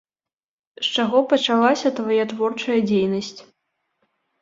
З чаго пачалася твая творчая дзейнасць?